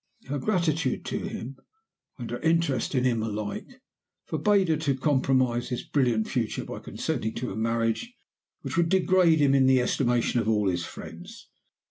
Her gratitude to him and her interest in him alike forbade her to compromise his brilliant future by consenting to a marriage which would degrade him in the estimation of all his friends.